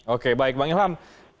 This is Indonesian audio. oke baik bang ilham